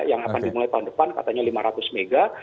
yang akan dimulai tahun depan katanya lima ratus m